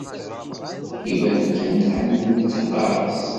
Iban kan tḥemmlem-tt aṭas.